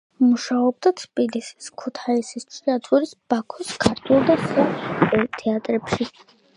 მუშაობდა თბილისის, ქუთაისის, ჭიათურის, ბაქოს ქართულ და სხვა თეატრებში.